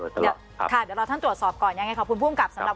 เดี๋ยวเรารอท่านตรวจสอบก่อนขอบคุณผู้มักกราบ